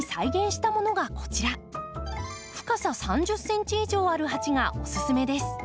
深さ３０ｃｍ以上ある鉢がおすすめです。